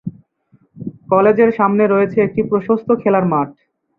কলেজের সামনে রয়েছে একটি প্রশস্ত খেলার মাঠ।